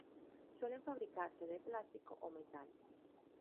Suelen fabricarse de plástico o metal.